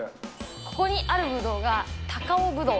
ここにあるぶどうが、高尾ぶどう。